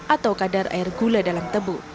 atau kadar air gula dalam tebu